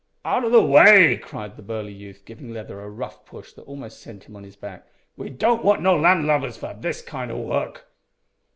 "Out o' the way," cried the burly youth, giving Leather a rough push that almost sent him on his back; "we don't want no land lubbers for this kind o' work."